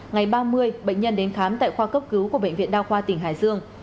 ngày ba mươi bệnh nhân đến khám tại khoa cấp cứu của bệnh viện đa khoa tỉnh hải dương